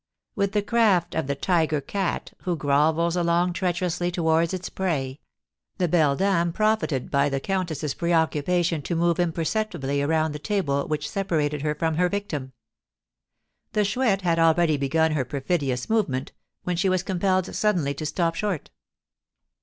With the craft of the tiger cat, who grovels along treacherously towards its prey, the beldame profited by the countess's preoccupation to move imperceptibly around the table which separated her from her victim. The Chouette had already begun her perfidious movement, when she was compelled suddenly to stop short.